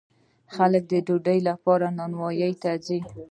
خلک د ډوډۍ لپاره نانواییو ته ځي.